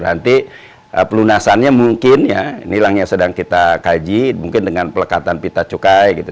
nanti pelunasannya mungkin ya inilah yang sedang kita kaji mungkin dengan pelekatan pita cukai gitu